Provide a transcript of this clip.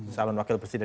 salon wakil presiden